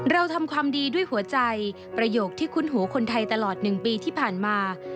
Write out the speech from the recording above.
เราทำความดีด้วยหัวใจประโยคที่คุ้นหูคนไทยตลอด๑ปีที่ผ่านมา